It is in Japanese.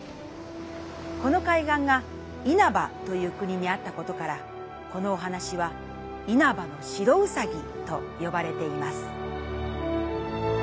この海岸がいなばという国にあったことからこのおはなしは「いなばの白うさぎ」とよばれています。